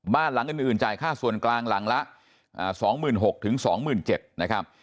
บ้านหลังอื่นจ่ายค่าส่วนกลางหลังละ๒๖๐๐๒๗๐๐นะครับ